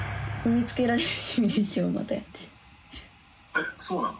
えっそうなの？